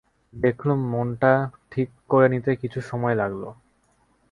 দেখলুম মনটা ঠিক করে নিতে কিছু সময় লাগল।